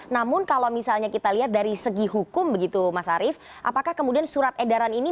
namun kalau misalnya kita lihat dari segi hukum begitu mas arief apakah kemudian surat edaran ini